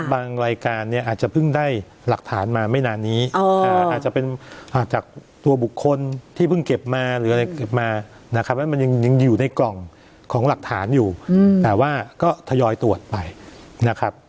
รายการเนี่ยอาจจะเพิ่งได้หลักฐานมาไม่นานนี้อาจจะเป็นจากตัวบุคคลที่เพิ่งเก็บมาหรืออะไรเก็บมานะครับแล้วมันยังอยู่ในกล่องของหลักฐานอยู่แต่ว่าก็ทยอยตรวจไปนะครับ